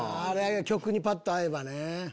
曲にパッと合えばね。